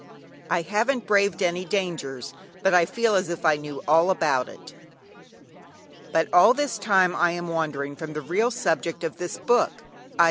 "I haven't braved any dangers, but I feel as if I knew all about it" (Rudyard Kipling.) But all this time I am wandering from the real subject of this book, _i.